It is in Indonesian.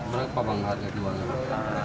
berapa bang harga jualnya